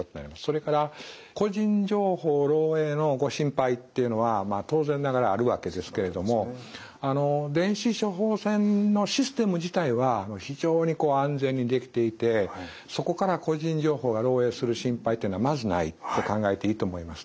それから個人情報漏えいのご心配っていうのは当然ながらあるわけですけれども電子処方箋のシステム自体は非常に安全に出来ていてそこから個人情報が漏えいする心配というのはまずないと考えていいと思います。